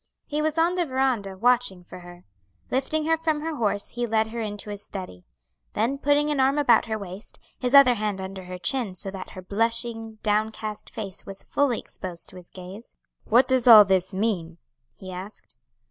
He was on the veranda, watching for her. Lifting her from her horse, he led her into his study. Then putting an arm about her waist, his other hand under her chin so that her blushing, downcast face was fully exposed to his gaze, "What does all this mean?" he asked.